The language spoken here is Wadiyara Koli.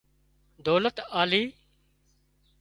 ڌولت آلي